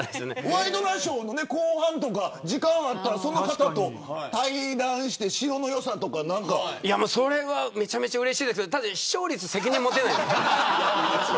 ワイドナショーの後半時間があったらその方と対談して城の良さとか。めちゃめちゃうれしいですけど視聴率に責任を持てない。